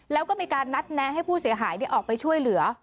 แล้วก็มีการนัดแนะให้ผู้เสียหายออกไปช่วยเหลือ